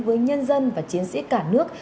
với nhân dân và chiến sĩ cả nước